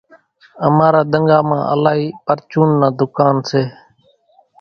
امارا ۮنڳا مان الائِي پرچونَ نا ۮُڪان سي۔